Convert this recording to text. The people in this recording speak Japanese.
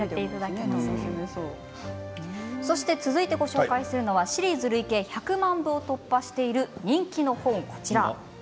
そして続いてご紹介するのはシリーズ累計１００万部を突破している人気の本です。